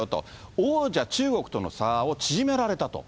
王者中国との差を縮められたと。